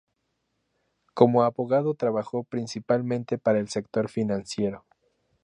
Como abogado trabajó principalmente para el sector financiero.